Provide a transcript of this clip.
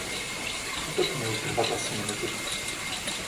Útok měl trvat asi minutu.